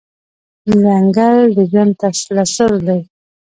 ځنګل د ژوند تسلسل دی.